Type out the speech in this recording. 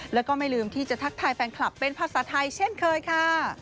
แล้วก็ไม่ลืมที่จะทักทายแฟนคลับเป็นภาษาไทยเช่นเคยค่ะ